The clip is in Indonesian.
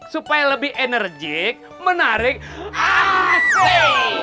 supaya lebih enerjik menarik hasil